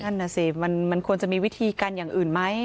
นั่นน่ะสิมันควรจะมีวิธีการอย่างอื่นไหม